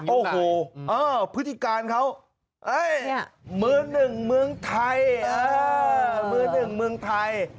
โอ้โหพฤติการเขาเมืองหนึ่งเมืองไทย